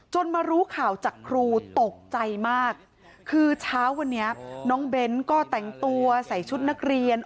มารู้ข่าวจากครูตกใจมากคือเช้าวันนี้น้องเบ้นก็แต่งตัวใส่ชุดนักเรียน